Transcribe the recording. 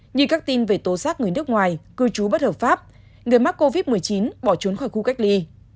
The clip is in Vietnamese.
như các tin về tố giác người nước ngoài cư trú bất hợp pháp người mắc covid một mươi chín bỏ trốn khỏi khu cách ly